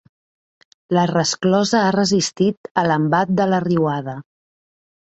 La resclosa ha resistit a l'embat de la riuada.